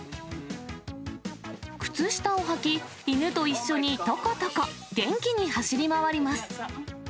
靴下を履き、犬と一緒にとことこ元気に走り回ります。